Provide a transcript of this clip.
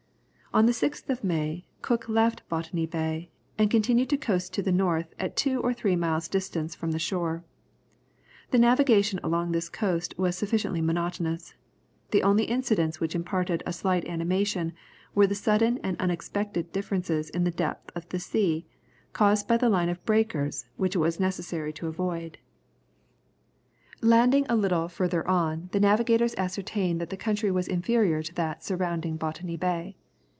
On the 6th of May, Cook left Botany Bay, and continued to coast to the north at two or three miles distance from the shore. The navigation along this coast was sufficiently monotonous. The only incidents which imparted a slight animation, were the sudden and unexpected differences in the depth of the sea, caused by the line of breakers which it was necessary to avoid. [Illustration: Map of the east coast of New Holland, after Cook. Gravé par E. Morieu.] Landing a little further on, the navigators ascertained that the country was inferior to that surrounding Botany Bay.